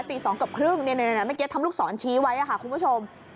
ตีสองกว่าครึ่งเนี้ยเนี้ยเนี้ยเมื่อกี้ทำลูกศรชี้ไว้ค่ะคุณผู้ชม